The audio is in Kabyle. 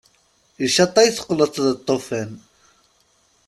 Icaṭ ay teqqleḍ d aṭufan!